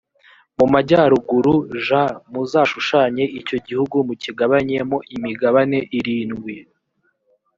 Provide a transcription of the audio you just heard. mu majyaruguru j muzashushanye icyo gihugu mukigabanyemo imigabane irindwi